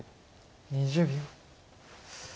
２０秒。